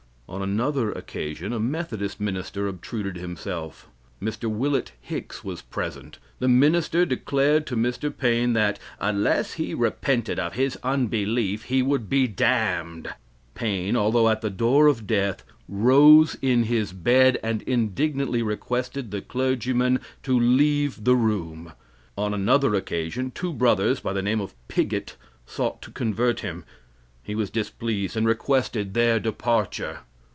On another occasion a Methodist minister obtruded himself. Mr. Willet Hicks was present. The minister declared to Mr. Paine that "unless he repented of his unbelief he would be damned." Paine, although at the door of death, rose in his bed and indignantly requested the clergyman to leave the room. On another occasion, two brothers by the name of Pigott sought to convert him. He was displeased, and requested their departure.